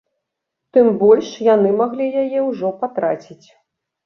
Тым больш, яны маглі яе ўжо патраціць.